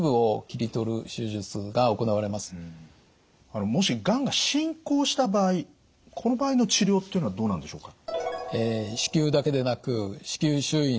あのもしがんが進行した場合この場合の治療っていうのはどうなんでしょうか？